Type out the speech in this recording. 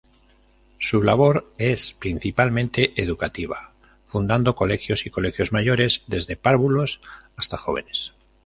Su labor es principalmente educativa, fundando colegios y colegios mayores, desde párvulos hasta jóvenes.